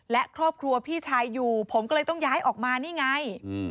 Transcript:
และครอบครัวพี่ชายอยู่ผมก็เลยต้องย้ายออกมานี่ไง